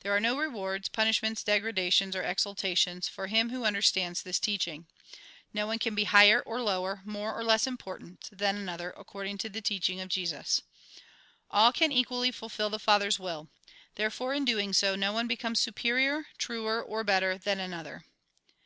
There are no rewards, punishments, degradations, or exalta tions, for him who understands this teaching. No one can be higher or lower, more or less im 196 A RECAPITULATION 197 pf rtant, than another, according to the teaching of Jesus. All can equally fulfil the Father's will. There fore, in so doing, no one becomes superior, truer or better, than another.